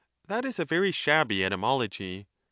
That is a very shabby etymology.